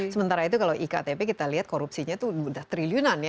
sementara itu kalau iktp kita lihat korupsinya itu sudah triliunan ya